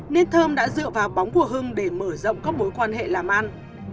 nên thơm đã dựa vào bóng của hưng để mở rộng các mối quan hệ làm ăn